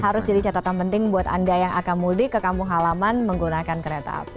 harus jadi catatan penting buat anda yang akan mudik ke kampung halaman menggunakan kereta api